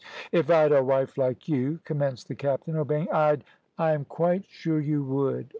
"If I'd a wife like you," commenced the captain, obeying, "I'd " "I am quite sure you would.